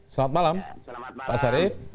selamat malam pak syarif